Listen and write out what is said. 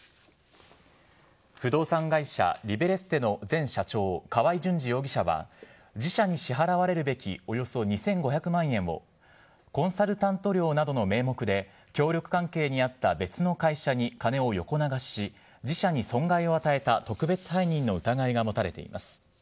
不動産会社リベレステの前社長、河合純二容赦は、自社に支払われるべきおよそ２５００万円をコンサルタント料などの名目で、協力関係にあった別の会社に金を横流しし、自社に損害を与えた特別背任の疑いが持たれています。